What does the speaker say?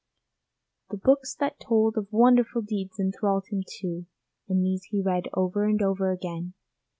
The books that told of wonderful deeds enthralled him too, and these he read over and over again.